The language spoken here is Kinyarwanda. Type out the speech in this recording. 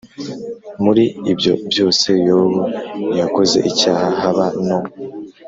Muri ibyo byose Yobu ntiyakoze icyaha, haba no